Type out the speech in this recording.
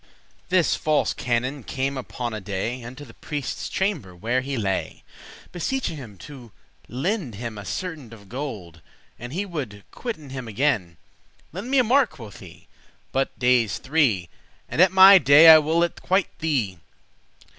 This false canon came upon a day Unto the prieste's chamber, where he lay, Beseeching him to lend him a certain Of gold, and he would quit it him again. "Lend me a mark," quoth he, "but dayes three, And at my day I will it quite thee.